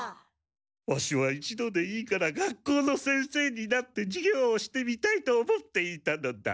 ワシは一度でいいから学校の先生になって授業をしてみたいと思っていたのだ。